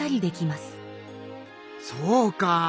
そうか。